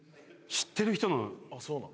知ってる人の。